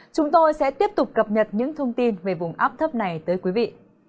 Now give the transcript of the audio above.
chúng tôi sẽ tiếp tục cập nhật những thông tin về vùng áp thấp này tới quý vị